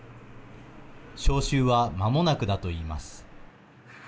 招集は、まもなくだといいます。